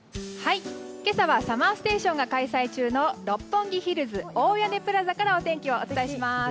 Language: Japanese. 今朝は「ＳＵＭＭＥＲＳＴＡＴＩＯＮ」が開催中の六本木ヒルズ大屋根プラザからお天気をお伝えします。